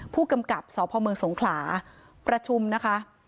ผู้กำกับสพเมืองสงขลาประชุมนะคะ